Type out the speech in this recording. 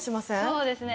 そうですね。